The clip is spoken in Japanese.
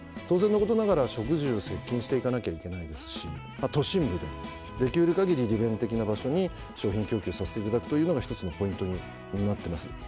当然のことながら職住接近していかなきゃいけないですし都心部ででき得る限り利便的な場所に商品供給させていただくというのが一つのポイントになってます。